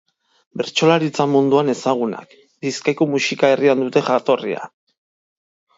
Bertsolaritza munduan ezagunak, Bizkaiko Muxika herrian dute jatorria.